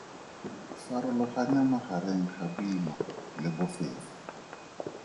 Farologanya magareng ga boima le bofefo.